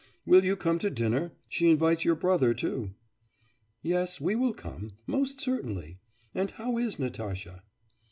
'Will you come to dinner? She invites your brother too.' 'Yes; we will come, most certainly. And how is Natasha?